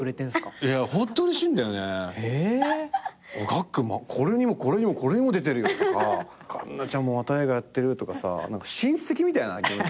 がっくんこれにもこれにもこれにも出てるよとか環奈ちゃんもまた映画やってるとかさ親戚みたいな。